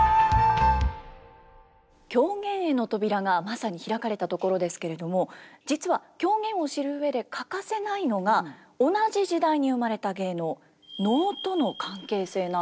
狂言への扉がまさに開かれたところですけれども実は狂言を知る上で欠かせないのが同じ時代に生まれた芸能能との関係性なんです。